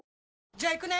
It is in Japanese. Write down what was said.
じゃあ行くね！